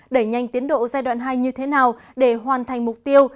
đẩy nhanh tiến độ giai đoạn hai như thế nào để hoàn thành mục tiêu